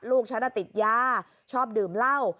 ลูกฉันติดยาชอบดื่มเหล้า